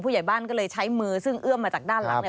ผู้ใหญ่บ้านก็เลยใช้มือซึ่งเอื้อมาจากด้านหลัง